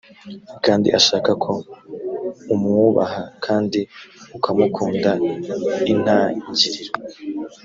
kandi ashaka ko umwubaha kandi ukamukunda intangiriro